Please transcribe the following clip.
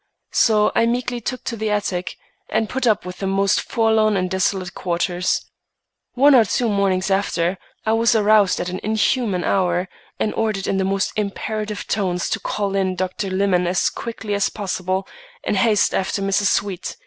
So I meekly took to the attic, and put up with the most forlorn and desolate quarters. One or two mornings after, I was aroused at an inhuman hour, and ordered in the most imperative tones to call in Dr. Lyman as quickly as possible, and haste after Mrs. Sweet.